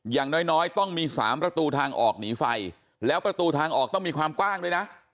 อย่างน้อยต้องมี๓ประตูทางออกหนีไฟแล้วประตูทางออกต้องมีความกว้างด้วยนะ